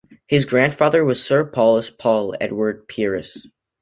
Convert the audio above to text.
His grandfather was Sir Paulus "Paul" Edward Pieris.